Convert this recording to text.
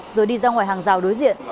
rồi đi ra ngoài hàng rào đối diện